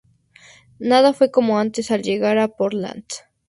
Nada fue como antes al llegar a Portland.